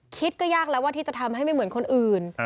คิดก็ยากแล้วว่าที่จะทำให้ไม่เหมือนคนอื่น